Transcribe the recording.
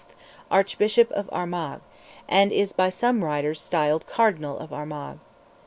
Archbishop of Armagh, and is by some writers styled "Cardinal of Armagh."